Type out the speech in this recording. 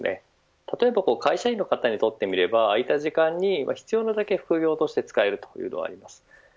例えば、会社員の方にとってみれば空いた時間に必要なだけ副業として使えるというのがあります。